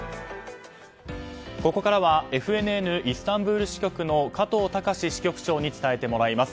ここからはＦＮＮイスタンブール支局の加藤崇支局長に伝えてもらいます。